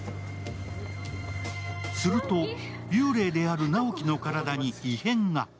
すると、幽霊である直木の体に異変が。